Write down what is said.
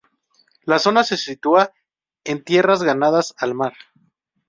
La zona se sitúa en tierras ganadas al mar.